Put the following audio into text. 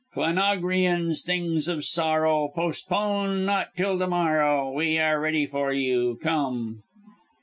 Clanogrians, things of sorrow. Postpone not till to morrow, We are ready for you Come!